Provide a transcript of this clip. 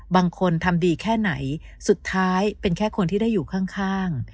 บางคนทำดีแค่ไหนสุดท้ายเป็นแค่คนที่ได้อยู่ข้าง